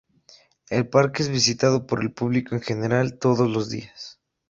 El parque es visitado por el público en general, todos los días.